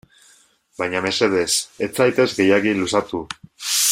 Baina mesedez, ez zaitez gehiegi luzatu.